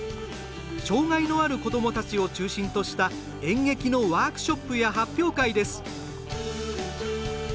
障害のある子どもたちを中心とした演劇のワークショップや発表会です。